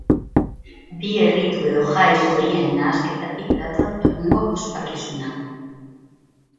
Bi erritu edo jai horien nahasketatik dator egungo ospakizuna.